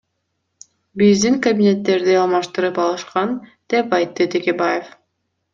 Биздин кабинеттерди алмаштырып алышкан, — деп айтты Текебаев.